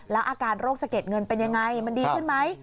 แล้วอาการโรคสะเก็ดเงินเป็นยังไงมันดีขึ้นไหม